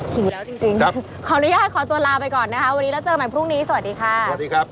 หิวแล้วจริงขออนุญาตขอตัวลาไปก่อนนะคะวันนี้แล้วเจอใหม่พรุ่งนี้สวัสดีค่ะสวัสดีครับ